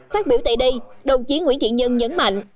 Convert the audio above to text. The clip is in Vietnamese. phát biểu tại đây đồng chí nguyễn thiện nhân nhấn mạnh